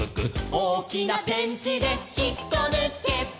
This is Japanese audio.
「おおきなペンチでひっこぬけ」